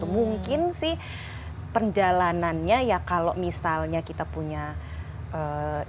mungkin sih perjalanannya ya kalau misalnya kita punya jangan sampai ya kita punya sifat menimbul